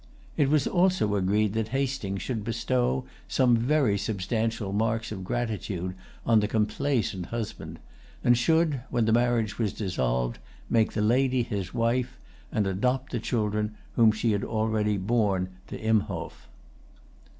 It was also agreed that Hastings should bestow some very substantial marks of gratitude on the complaisant husband, and should, when the marriage was dissolved, make the lady his wife, and adopt the children whom she had already borne to Imhoff.